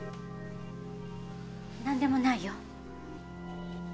なんでもないよ。